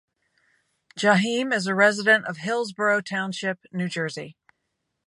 Jaheim is a resident of Hillsborough Township, New Jersey.